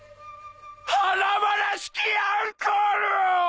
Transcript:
華々しきアンコールを！